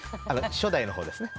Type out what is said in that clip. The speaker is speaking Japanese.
初代の方ですね。